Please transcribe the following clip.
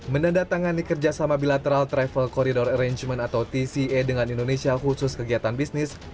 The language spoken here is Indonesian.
menandatangani kerjasama bilateral travel corridor arrangement atau tca dengan indonesia khusus kegiatan bisnis